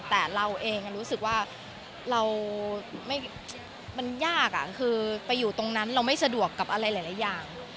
แต่เราเองรู้สึกว่าเรามันยากคือไปอยู่ตรงนั้นเราไม่สะดวกกับอะไรหลายอย่าง